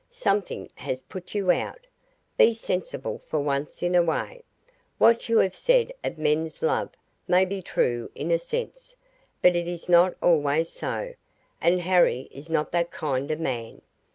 Something has put you out. Be sensible for once in a way. What you have said of men's love may be true in a sense, but it is not always so, and Harry is not that kind of man.